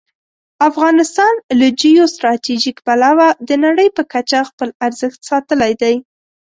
افغانستان له جیو سټراټژيک پلوه د نړۍ په کچه خپل ارزښت ساتلی دی.